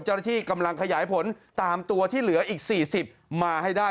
เจ้าหน้าที่กำลังขยายผลตามตัวที่เหลืออีก๔๐มาให้ได้